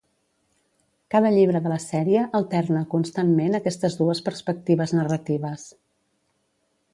Cada llibre de la sèrie alterna constantment aquestes dues perspectives narratives.